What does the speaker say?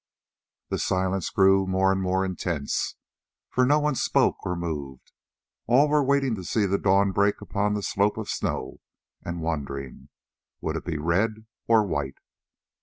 The silence grew more and more intense, for none spoke or moved: all were waiting to see the dawn break upon the slope of snow, and wondering—would it be red or white?